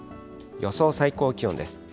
予想最高気温です。